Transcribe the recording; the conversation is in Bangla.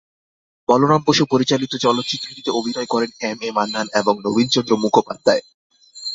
বলরাম বসু পরিচালিত চলচ্চিত্রটিতে অভিনয় করেন এম এ মান্নান এবং নবীনচন্দ্র মুখোপাধ্যায়।